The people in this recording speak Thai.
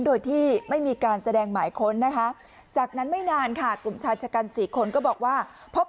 โดยที่ไม่มีการแสดงหมายค้นนะคะจากนั้นไม่นานค่ะกลุ่มชายชะกัน๔คนก็บอกว่าพบ